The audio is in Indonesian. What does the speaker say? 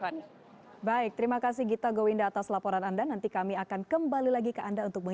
oleh meski sudah varian hari ini pernikahan argus adalah ke sobresen